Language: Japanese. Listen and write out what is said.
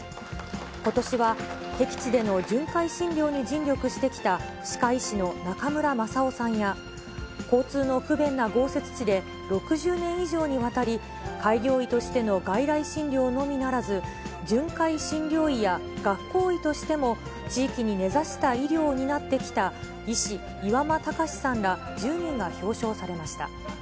ことしはへき地での巡回診療に尽力してきた歯科医師の中村雅夫さんや、交通の不便な豪雪地で６０年以上にわたり、開業医としての外来診療のみならず、巡回診療医や学校医としても、地域に根差した医療を担ってきた、医師、岩間たかしさんら１０人が表彰されました。